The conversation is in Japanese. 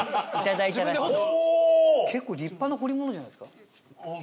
結構立派な彫り物じゃないですか。